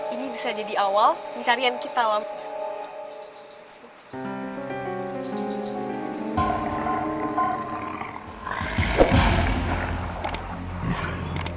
ini bisa jadi awal pencarian kita lautnya